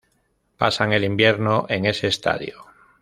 Pasan el invierno en ese estadio.